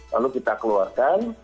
lalu kita keluarkan